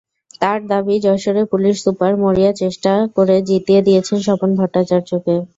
তাঁর দাবি, যশোরের পুলিশ সুপার মরিয়া চেষ্টা করে জিতিয়ে দিয়েছেন স্বপন ভট্টাচার্যকে।